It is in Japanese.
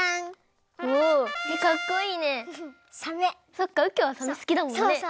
そっかうきょうはサメすきだもんね。